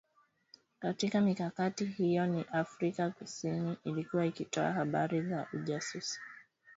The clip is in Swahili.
Katika mikakati hiyo ni Afrika kusini ilikuwa ikitoa habari za ujasusi